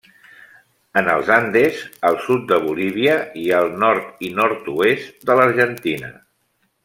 En els Andes, al sud de Bolívia i al nord i nord-oest de l'Argentina.